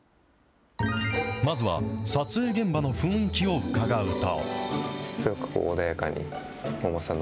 まずは撮影現場の雰囲気を伺うと。